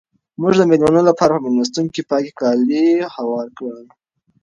موږ د مېلمنو لپاره په مېلمستون کې پاک کالي هوار کړل.